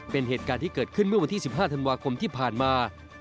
เป็นเหตุการณ์ที่เกิดขึ้นเมื่อวันที่๑๕ธันวาคมที่ผ่านมา